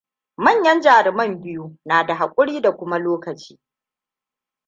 Manyan jaruman biyu na da haƙuri da kuma lokaci.